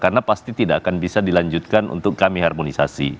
karena pasti tidak akan bisa dilanjutkan untuk kami harmonisasi